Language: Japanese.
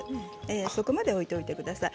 そこまで置いてください。